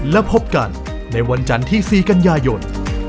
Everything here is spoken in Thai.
และพบกันในวันจันทร์ที่๔กันยายน